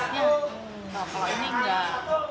kalau ini enggak